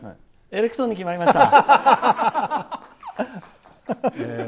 エレクトーンに決まりました。